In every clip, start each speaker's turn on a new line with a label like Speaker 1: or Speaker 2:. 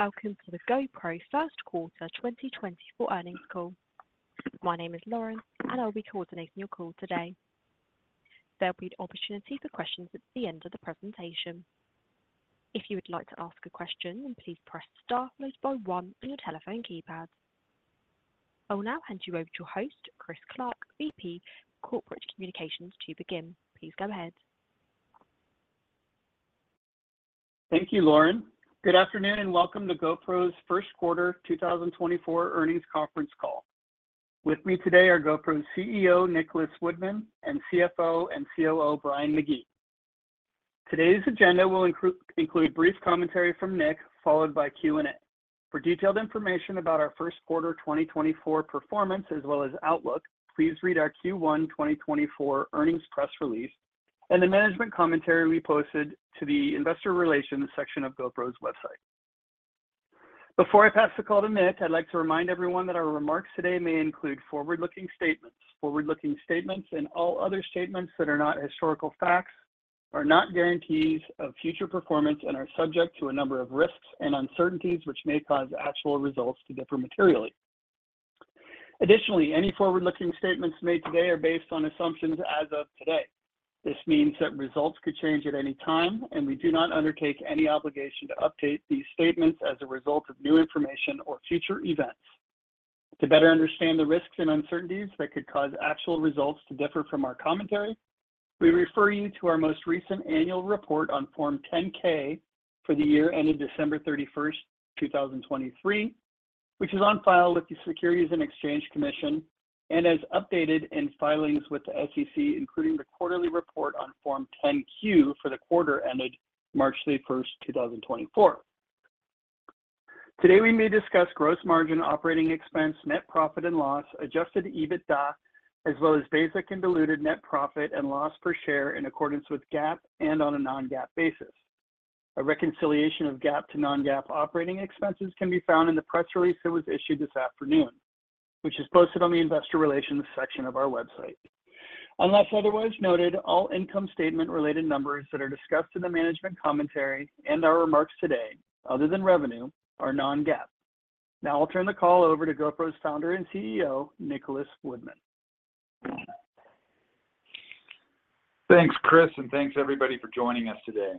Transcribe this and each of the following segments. Speaker 1: Hello and welcome to the GoPro First Quarter 2024 Earnings Call. My name is Lauren, and I'll be coordinating your call today. There'll be an opportunity for questions at the end of the presentation. If you would like to ask a question, please press star one on your telephone keypad. I'll now hand you over to your host, Chris Clark, VP Corporate Communications, to begin. Please go ahead.
Speaker 2: Thank you, Lauren. Good afternoon and welcome to GoPro's First Quarter 2024 Earnings Conference Call. With me today are GoPro's CEO, Nicholas Woodman, and CFO and COO, Brian McGee. Today's agenda will include brief commentary from Nick, followed by Q&A. For detailed information about our first quarter 2024 performance as well as outlook, please read our Q1 2024 earnings press release and the management commentary we posted to the investor relations section of GoPro's website. Before I pass the call to Nick, I'd like to remind everyone that our remarks today may include forward-looking statements. Forward-looking statements and all other statements that are not historical facts are not guarantees of future performance and are subject to a number of risks and uncertainties which may cause actual results to differ materially. Additionally, any forward-looking statements made today are based on assumptions as of today. This means that results could change at any time, and we do not undertake any obligation to update these statements as a result of new information or future events. To better understand the risks and uncertainties that could cause actual results to differ from our commentary, we refer you to our most recent annual report on Form 10-K for the year ended December 31st, 2023, which is on file with the Securities and Exchange Commission and is updated in filings with the SEC, including the quarterly report on Form 10-Q for the quarter ended March 31st, 2024. Today, we may discuss gross margin operating expense, net profit and loss, adjusted EBITDA, as well as basic and diluted net profit and loss per share in accordance with GAAP and on a non-GAAP basis. A reconciliation of GAAP to non-GAAP operating expenses can be found in the press release that was issued this afternoon, which is posted on the investor relations section of our website. Unless otherwise noted, all income statement-related numbers that are discussed in the management commentary and our remarks today, other than revenue, are non-GAAP. Now I'll turn the call over to GoPro's founder and CEO, Nicholas Woodman.
Speaker 3: Thanks, Chris, and thanks everybody for joining us today.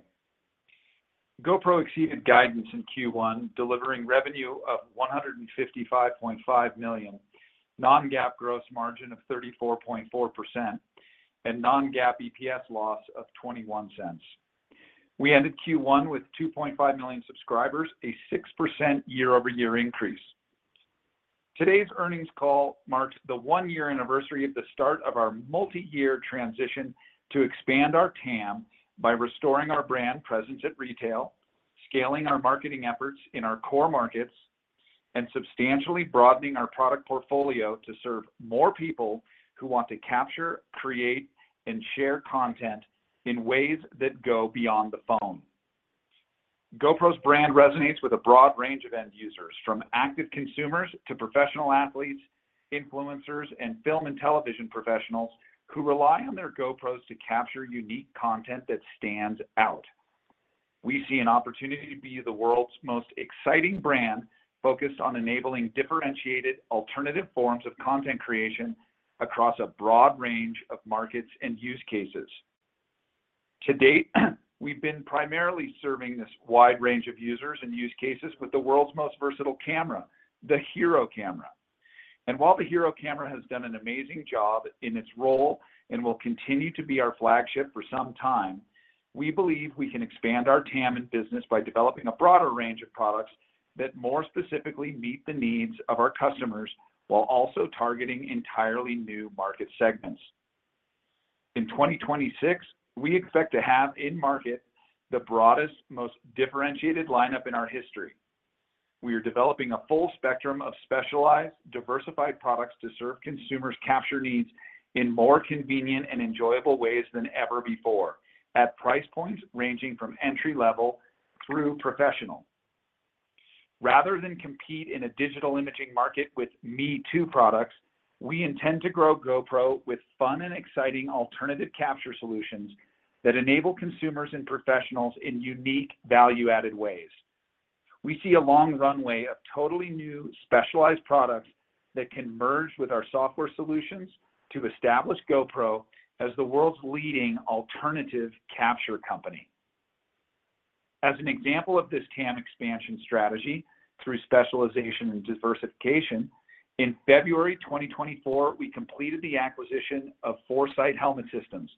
Speaker 3: GoPro exceeded guidance in Q1, delivering revenue of $155.5 million, non-GAAP gross margin of 34.4%, and non-GAAP EPS loss of 0.21. We ended Q1 with 2.5 million subscribers, a 6% year-over-year increase. Today's earnings call marked the one-year anniversary of the start of our multi-year transition to expand our TAM by restoring our brand presence at retail, scaling our marketing efforts in our core markets, and substantially broadening our product portfolio to serve more people who want to capture, create, and share content in ways that go beyond the phone. GoPro's brand resonates with a broad range of end users, from active consumers to professional athletes, influencers, and film and television professionals who rely on their GoPros to capture unique content that stands out. We see an opportunity to be the world's most exciting brand focused on enabling differentiated alternative forms of content creation across a broad range of markets and use cases. To date, we've been primarily serving this wide range of users and use cases with the world's most versatile camera, the HERO camera. And while the HERO camera has done an amazing job in its role and will continue to be our flagship for some time, we believe we can expand our TAM in business by developing a broader range of products that more specifically meet the needs of our customers while also targeting entirely new market segments. In 2026, we expect to have in market the broadest, most differentiated lineup in our history. We are developing a full spectrum of specialized, diversified products to serve consumers' capture needs in more convenient and enjoyable ways than ever before, at price points ranging from entry-level through professional. Rather than compete in a digital imaging market with me-too products, we intend to grow GoPro with fun and exciting alternative capture solutions that enable consumers and professionals in unique, value-added ways. We see a long runway of totally new, specialized products that can merge with our software solutions to establish GoPro as the world's leading alternative capture company. As an example of this TAM expansion strategy through specialization and diversification, in February 2024, we completed the acquisition of Forcite Helmet Systems,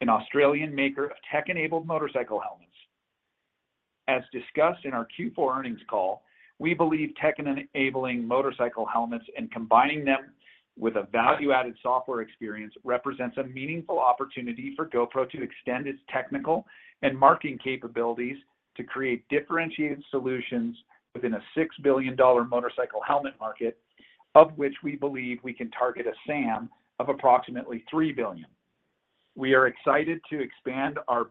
Speaker 3: an Australian maker of tech-enabled motorcycle helmets. As discussed in our Q4 earnings call, we believe tech-enabling motorcycle helmets and combining them with a value-added software experience represents a meaningful opportunity for GoPro to extend its technical and marketing capabilities to create differentiated solutions within a $6 billion motorcycle helmet market, of which we believe we can target a SAM of approximately $3 billion. We are excited to expand our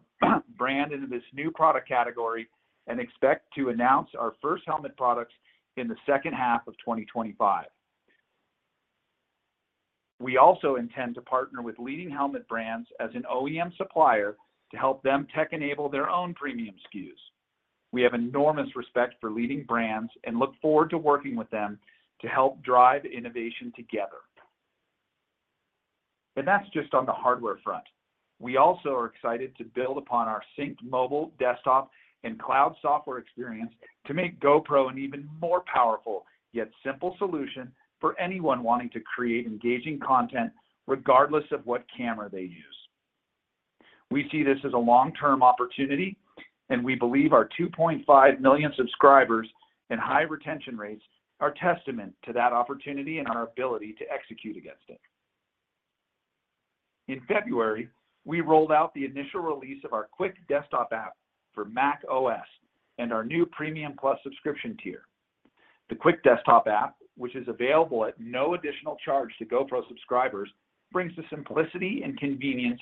Speaker 3: brand into this new product category and expect to announce our first helmet products in the second half of 2025. We also intend to partner with leading helmet brands as an OEM supplier to help them tech-enable their own premium SKUs. We have enormous respect for leading brands and look forward to working with them to help drive innovation together. And that's just on the hardware front. We also are excited to build upon our synced mobile, desktop, and cloud software experience to make GoPro an even more powerful yet simple solution for anyone wanting to create engaging content regardless of what camera they use. We see this as a long-term opportunity, and we believe our 2.5 million subscribers and high retention rates are testament to that opportunity and our ability to execute against it. In February, we rolled out the initial release of our Quik Desktop app for macOS and our new Premium+ subscription tier. The Quik Desktop app, which is available at no additional charge to GoPro subscribers, brings the simplicity and convenience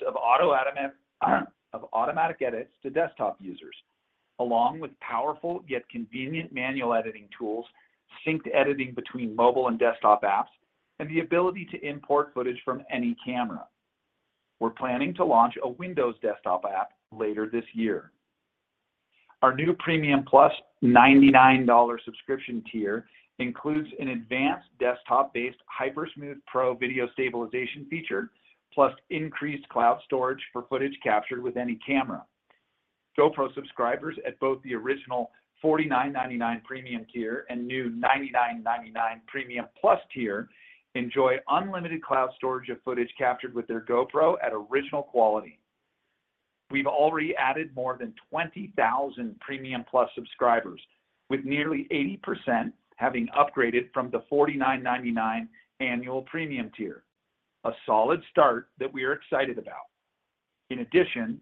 Speaker 3: of automatic edits to desktop users, along with powerful yet convenient manual editing tools, synced editing between mobile and desktop apps, and the ability to import footage from any camera. We're planning to launch a Windows desktop app later this year. Our new Premium+ $99 subscription tier includes an advanced desktop-based HyperSmooth Pro video stabilization feature, plus increased cloud storage for footage captured with any camera. GoPro subscribers at both the original $49.99 Premium tier and new $99.99 Premium+ tier enjoy unlimited cloud storage of footage captured with their GoPro at original quality. We've already added more than 20,000 Premium+ subscribers, with nearly 80% having upgraded from the $49.99 annual Premium tier, a solid start that we are excited about. In addition,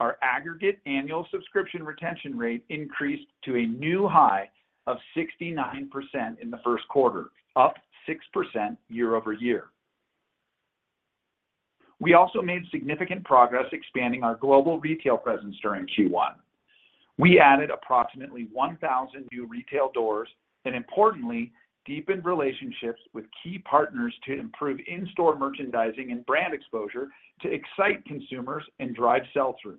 Speaker 3: our aggregate annual subscription retention rate increased to a new high of 69% in the first quarter, up 6% year-over-year. We also made significant progress expanding our global retail presence during Q1. We added approximately 1,000 new retail doors and, importantly, deepened relationships with key partners to improve in-store merchandising and brand exposure to excite consumers and drive sell-through.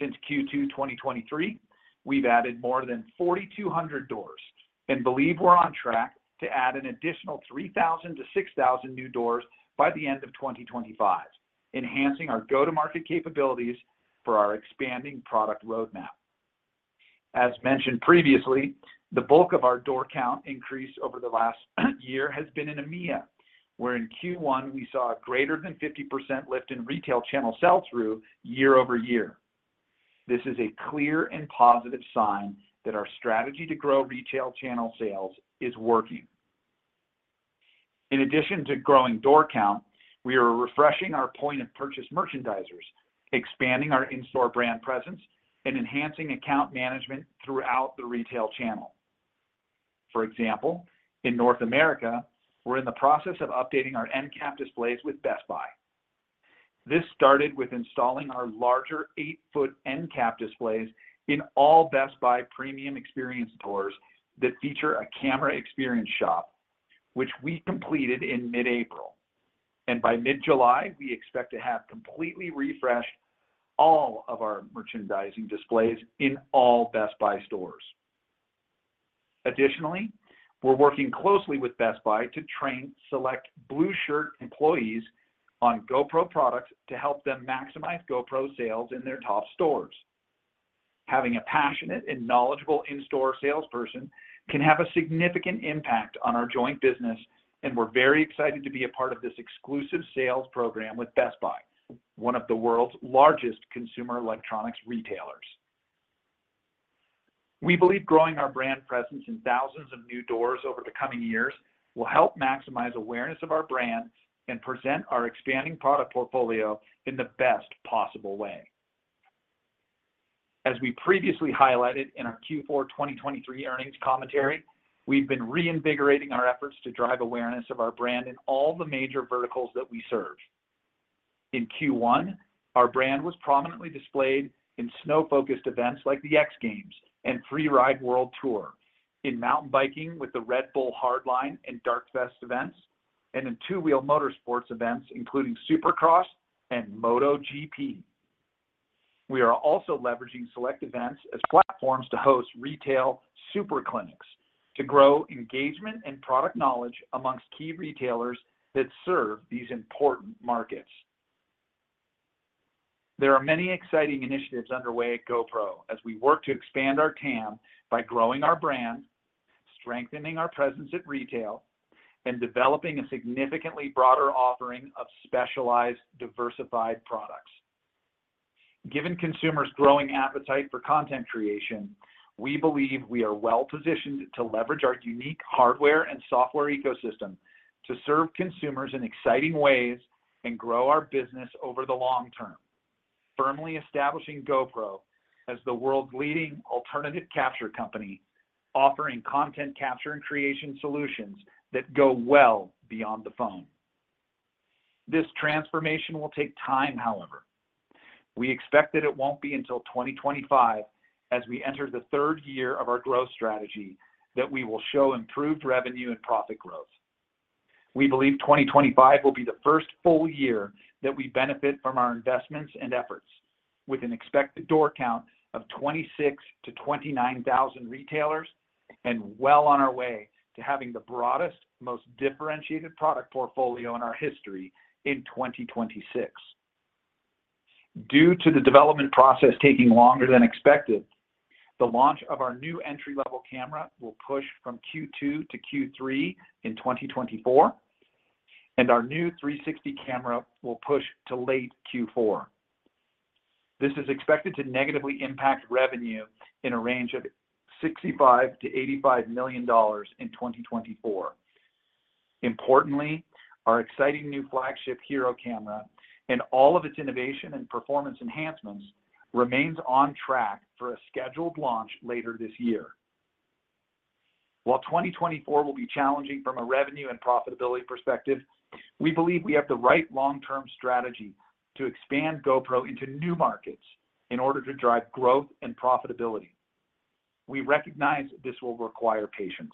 Speaker 3: Since Q2 2023, we've added more than 4,200 doors and believe we're on track to add an additional 3,000-6,000 new doors by the end of 2025, enhancing our go-to-market capabilities for our expanding product roadmap. As mentioned previously, the bulk of our door count increase over the last year has been in EMEA, where in Q1 we saw a greater than 50% lift in retail channel sell-through year-over-year. This is a clear and positive sign that our strategy to grow retail channel sales is working. In addition to growing door count, we are refreshing our point-of-purchase merchandisers, expanding our in-store brand presence, and enhancing account management throughout the retail channel. For example, in North America, we're in the process of updating our endcap displays with Best Buy. This started with installing our larger 8-foot endcap displays in all Best Buy Premium Experience stores that feature a camera experience shop, which we completed in mid-April. By mid-July, we expect to have completely refreshed all of our merchandising displays in all Best Buy stores. Additionally, we're working closely with Best Buy to train select Blue Shirt employees on GoPro products to help them maximize GoPro sales in their top stores. Having a passionate and knowledgeable in-store salesperson can have a significant impact on our joint business, and we're very excited to be a part of this exclusive sales program with Best Buy, one of the world's largest consumer electronics retailers. We believe growing our brand presence in thousands of new doors over the coming years will help maximize awareness of our brand and present our expanding product portfolio in the best possible way. As we previously highlighted in our Q4 2023 earnings commentary, we've been reinvigorating our efforts to drive awareness of our brand in all the major verticals that we serve. In Q1, our brand was prominently displayed in snow-focused events like the X Games and Freeride World Tour, in mountain biking with the Red Bull Hardline and Darkfest events, and in two-wheel motorsports events including Supercross and MotoGP. We are also leveraging select events as platforms to host retail super clinics to grow engagement and product knowledge among key retailers that serve these important markets. There are many exciting initiatives underway at GoPro as we work to expand our TAM by growing our brand, strengthening our presence at retail, and developing a significantly broader offering of specialized, diversified products. Given consumers' growing appetite for content creation, we believe we are well-positioned to leverage our unique hardware and software ecosystem to serve consumers in exciting ways and grow our business over the long term, firmly establishing GoPro as the world's leading alternative capture company, offering content capture and creation solutions that go well beyond the phone. This transformation will take time, however. We expect that it won't be until 2025, as we enter the third year of our growth strategy, that we will show improved revenue and profit growth. We believe 2025 will be the first full year that we benefit from our investments and efforts, with an expected door count of 26,000-29,000 retailers and well on our way to having the broadest, most differentiated product portfolio in our history in 2026. Due to the development process taking longer than expected, the launch of our new entry-level camera will push from Q2 to Q3 in 2024, and our new 360 camera will push to late Q4. This is expected to negatively impact revenue in a range of $65 million-$85 million in 2024. Importantly, our exciting new flagship HERO camera and all of its innovation and performance enhancements remains on track for a scheduled launch later this year. While 2024 will be challenging from a revenue and profitability perspective, we believe we have the right long-term strategy to expand GoPro into new markets in order to drive growth and profitability. We recognize this will require patience,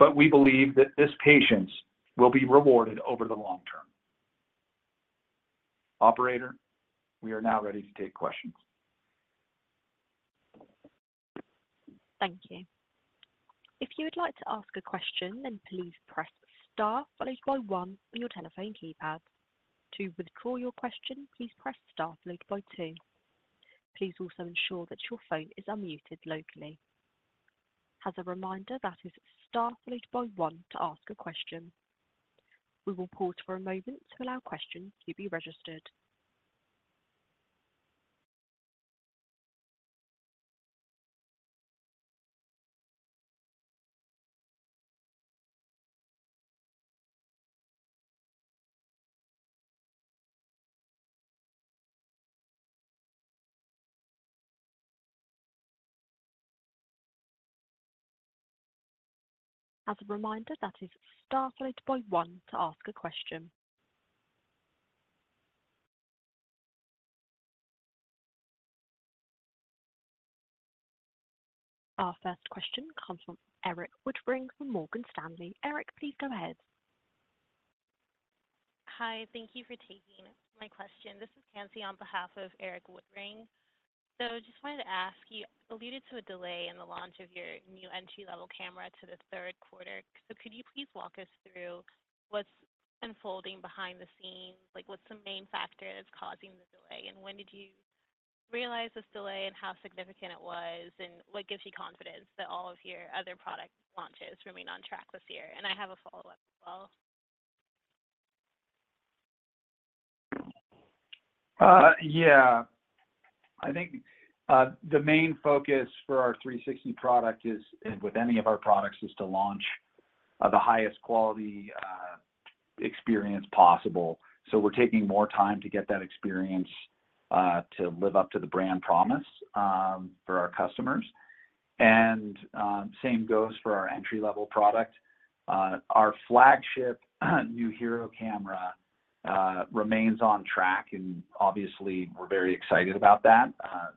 Speaker 3: but we believe that this patience will be rewarded over the long term. Operator, we are now ready to take questions.
Speaker 1: Thank you. If you would like to ask a question, then please press star followed by one on your telephone keypad. To withdraw your question, please press star followed by two. Please also ensure that your phone is unmuted locally. As a reminder, that is star followed by one to ask a question. We will pause for a moment to allow questions to be registered. As a reminder, that is star followed by one to ask a question. Our first question comes from Eric Woodring from Morgan Stanley. Eric, please go ahead.
Speaker 3: Hi. Thank you for taking my question. This is Kanjy on behalf of Eric Woodring. So I just wanted to ask, you alluded to a delay in the launch of your new entry-level camera to the third quarter. So could you please walk us through what's unfolding behind the scenes, what's the main factor that's causing the delay, and when did you realize this delay and how significant it was, and what gives you confidence that all of your other product launches remain on track this year? And I have a follow-up as well.
Speaker 4: Yeah. I think the main focus for our 360 product is, and with any of our products, is to launch the highest quality experience possible. So we're taking more time to get that experience to live up to the brand promise for our customers. And same goes for our entry-level product. Our flagship new HERO camera remains on track, and obviously, we're very excited about that.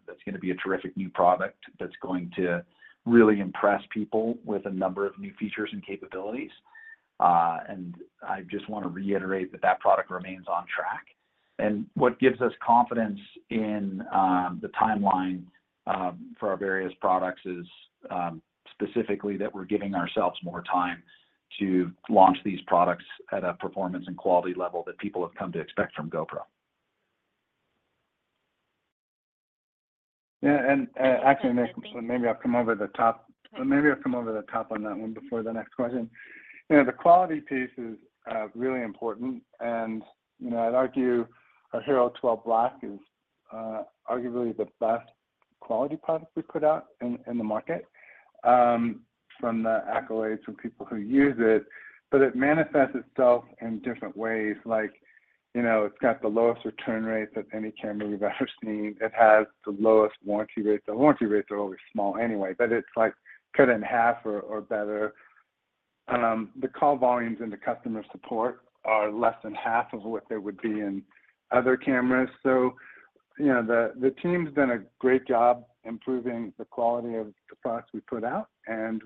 Speaker 4: That's going to be a terrific new product that's going to really impress people with a number of new features and capabilities. And I just want to reiterate that that product remains on track. And what gives us confidence in the timeline for our various products is specifically that we're giving ourselves more time to launch these products at a performance and quality level that people have come to expect from GoPro.
Speaker 5: Yeah. And actually, Nick, maybe I'll come over the top on that one before the next question. The quality piece is really important. And I'd argue our HERO12 Black is arguably the best quality product we put out in the market from the accolades from people who use it. But it manifests itself in different ways. It's got the lowest return rate that any camera we've ever seen. It has the lowest warranty rates. The warranty rates are always small anyway, but it's cut in half or better. The call volumes into customer support are less than half of what they would be in other cameras. So the team's done a great job improving the quality of the products we put out, and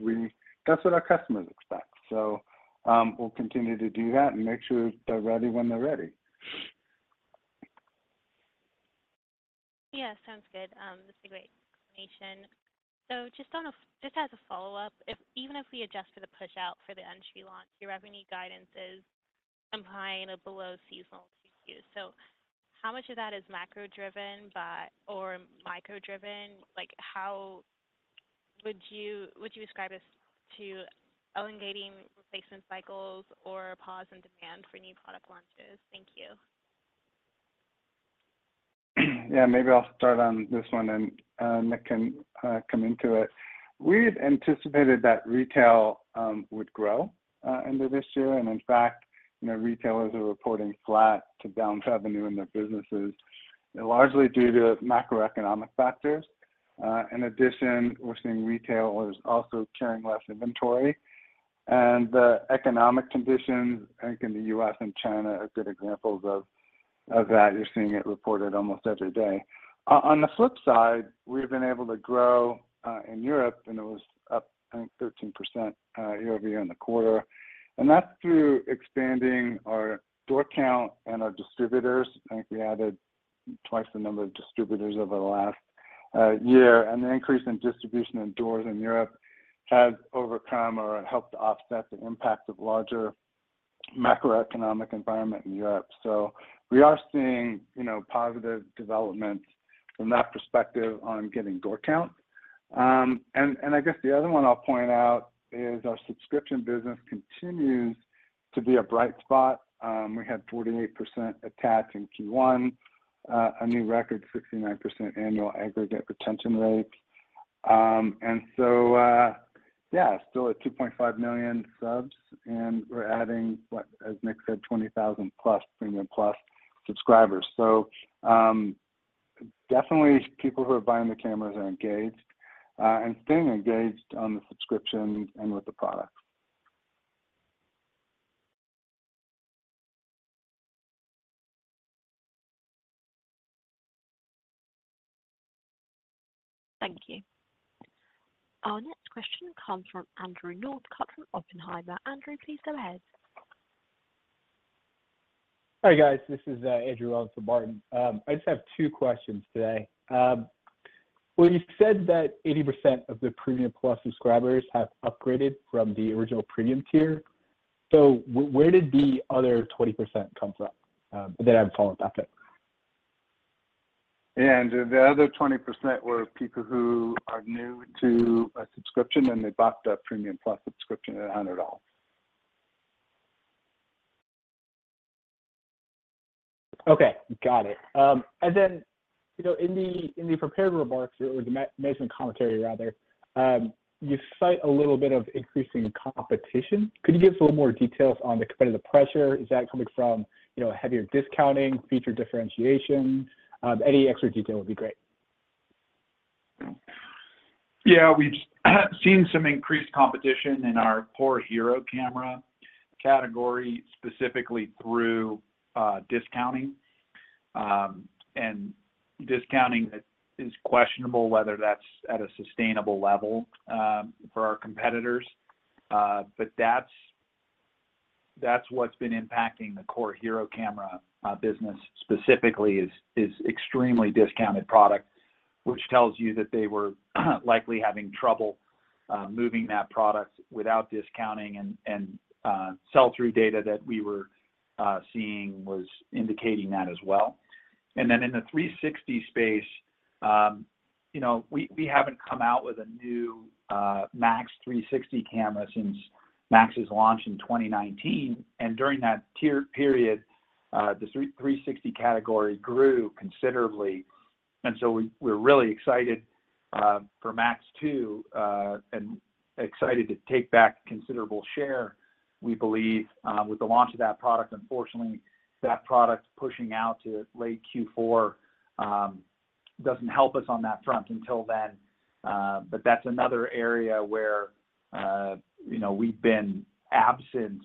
Speaker 5: that's what our customers expect. So we'll continue to do that and make sure they're ready when they're ready.
Speaker 3: Yeah. Sounds good. That's a great explanation. Just as a follow-up, even if we adjust for the push-out for the entry launch, your revenue guidance is implying a below-seasonal QQ. How much of that is macro-driven or micro-driven? How would you describe this to elongating replacement cycles or a pause in demand for new product launches? Thank you.
Speaker 5: Yeah. Maybe I'll start on this one, and Nick can come into it. We had anticipated that retail would grow end of this year. In fact, retailers are reporting flat to downed revenue in their businesses, largely due to macroeconomic factors. In addition, we're seeing retailers also carrying less inventory. And the economic conditions, I think, in the U.S. and China are good examples of that. You're seeing it reported almost every day. On the flip side, we've been able to grow in Europe, and it was up, I think, 13% year-over-year in the quarter. And that's through expanding our door count and our distributors. I think we added twice the number of distributors over the last year. And the increase in distribution of doors in Europe has overcome or helped offset the impact of a larger macroeconomic environment in Europe. So we are seeing positive developments from that perspective on getting door count. And I guess the other one I'll point out is our subscription business continues to be a bright spot. We had 48% attached in Q1, a new record 69% annual aggregate retention rate. And so yeah, still at 2.5 million subs, and we're adding, as Nick said, 20,000+ Premium+ subscribers. So definitely, people who are buying the cameras are engaged and staying engaged on the subscriptions and with the products.
Speaker 1: Thank you. Our next question comes from Andrew Northcott from Oppenheimer. Andrew, please go ahead.
Speaker 6: Hi guys. This is Andrew Roth from Barton. I just have two questions today. Well, you said that 80% of the Premium+ subscribers have upgraded from the original Premium tier. So where did the other 20% come from? And then I have a follow-up after.
Speaker 5: The other 20% were people who are new to a subscription, and they bought the Premium+ subscription at $100.
Speaker 6: Okay. Got it. And then in the prepared remarks or the management commentary, rather, you cite a little bit of increasing competition. Could you give us a little more details on the competitive pressure? Is that coming from heavier discounting, feature differentiation? Any extra detail would be great.
Speaker 4: Yeah. We've seen some increased competition in our core HERO camera category, specifically through discounting. And discounting is questionable whether that's at a sustainable level for our competitors. But that's what's been impacting the core HERO camera business specifically: extremely discounted product, which tells you that they were likely having trouble moving that product without discounting. And the sell-through data that we were seeing was indicating that as well. And then in the 360 space, we haven't come out with a new MAX 360 camera since MAX's launch in 2019. And during that period, the 360 category grew considerably. And so we're really excited for MAX two and excited to take back considerable share, we believe, with the launch of that product. Unfortunately, that product pushing out to late Q4 doesn't help us on that front until then. But that's another area where we've been absent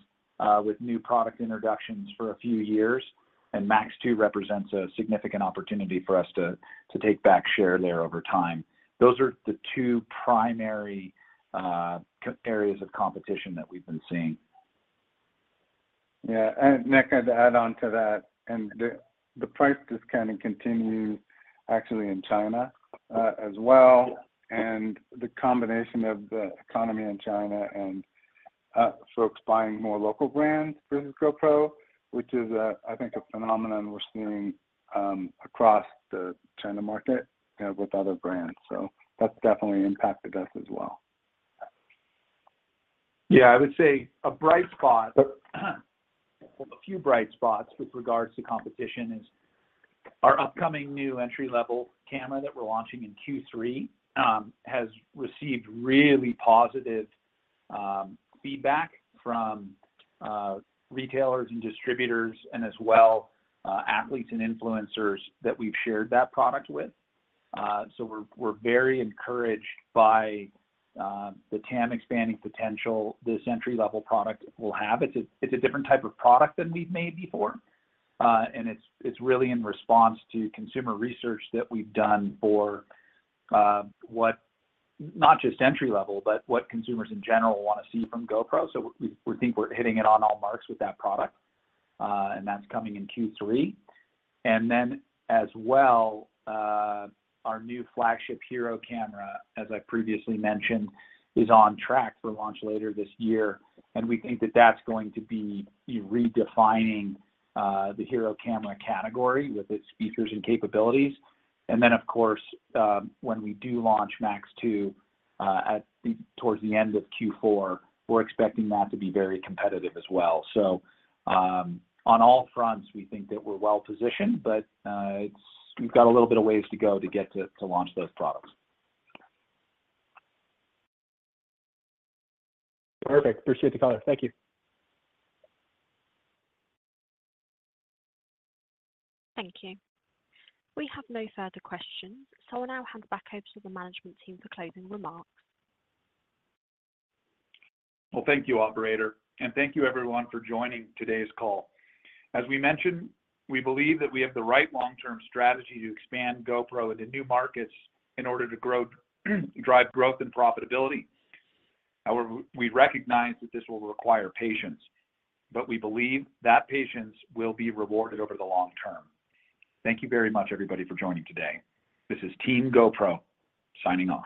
Speaker 4: with new product introductions for a few years. And MAX two represents a significant opportunity for us to take back share there over time. Those are the two primary areas of competition that we've been seeing.
Speaker 5: Yeah. And Nick, I'd add on to that. And the price discounting continues, actually, in China as well. And the combination of the economy in China and folks buying more local brands versus GoPro, which is, I think, a phenomenon we're seeing across the China market with other brands. So that's definitely impacted us as well.
Speaker 4: Yeah. I would say a bright spot, a few bright spots, with regards to competition is our upcoming new entry-level camera that we're launching in Q3 has received really positive feedback from retailers and distributors and as well athletes and influencers that we've shared that product with. So we're very encouraged by the TAM expanding potential this entry-level product will have. It's a different type of product than we've made before. And it's really in response to consumer research that we've done for not just entry-level, but what consumers in general want to see from GoPro. So we think we're hitting it on all marks with that product, and that's coming in Q3. And then as well, our new flagship HERO camera, as I previously mentioned, is on track for launch later this year. And we think that that's going to be redefining the HERO camera category with its features and capabilities. And then, of course, when we do launch MAX two towards the end of Q4, we're expecting that to be very competitive as well. So on all fronts, we think that we're well-positioned, but we've got a little bit of ways to go to get to launch those products.
Speaker 6: Perfect. Appreciate the caller. Thank you.
Speaker 1: Thank you. We have no further questions. So I'll now hand back over to the management team for closing remarks.
Speaker 4: Well, thank you, operator. Thank you, everyone, for joining today's call. As we mentioned, we believe that we have the right long-term strategy to expand GoPro into new markets in order to drive growth and profitability. However, we recognize that this will require patience, but we believe that patience will be rewarded over the long term. Thank you very much, everybody, for joining today. This is Team GoPro signing off.